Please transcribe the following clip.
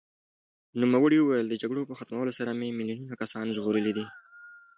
نوموړي وویل، د جګړو په ختمولو سره مې میلیونونه کسان ژغورلي دي.